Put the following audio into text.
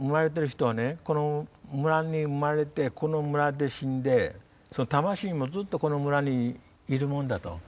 この村に生まれてこの村で死んで魂もずっとこの村にいるもんだと。